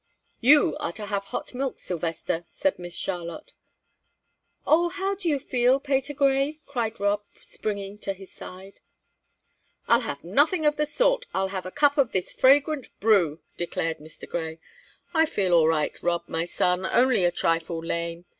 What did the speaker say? "You are to have hot milk, Sylvester," said Miss Charlotte. "Oh, how do you feel, Patergrey?" cried Rob, springing to his side. "I'll have nothing of the sort; I'll have a cup of this fragrant brew," declared Mr. Grey. "I feel all right, Rob, my son, only a trifle lame.